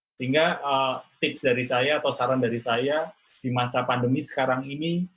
sehingga tips dari saya atau saran dari saya di masa pandemi sekarang ini